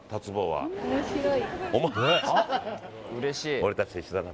俺たちと一緒だな。